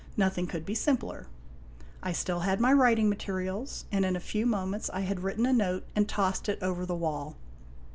Nothing could be simpler. I still had my writing materials, and in a few moments I had written a note and tossed it over the wall.